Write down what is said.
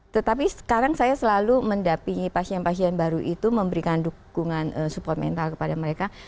tetapi sekarang saya selalu mendapingi pasien pasien baru itu memberikan dukungan support mental kepada mereka